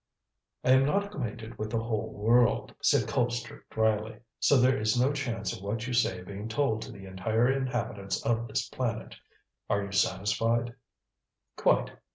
"I am not acquainted with the whole world," said Colpster dryly, "so there is no chance of what you say being told to the entire inhabitants of this planet. Are you satisfied?" "Quite.